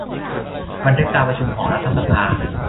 บันทึกการประชุมของรัฐสภา